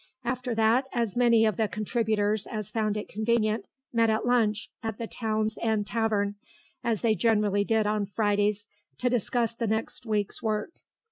After that as many of the contributors as found it convenient met at lunch at the Town's End Tavern, as they generally did on Fridays, to discuss the next week's work.